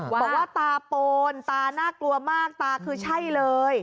บอกว่าตาโปนตาน่ากลัวมากตาคือใช่เลย